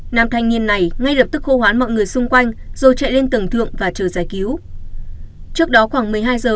nam thanh niên này ngay lập tức khô hoán mọi người xung quanh rồi chạy lên tầng thượng và chờ giải cứu